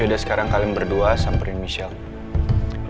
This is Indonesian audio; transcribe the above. yaudah sekarang kalian berdua samperin michelle